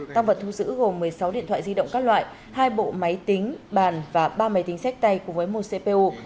tăng vật thu giữ gồm một mươi sáu điện thoại di động các loại hai bộ máy tính bàn và ba máy tính sách tay cùng với một cpu